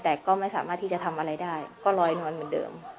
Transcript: แต่ก็ไม่สามารถที่จะทำอะไรได้ก็ลอยนวลเหมือนเดิม